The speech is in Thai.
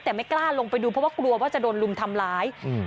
แต่ไม่กล้าลงไปดูเพราะว่ากลัวว่าจะโดนลุมทำร้ายอืม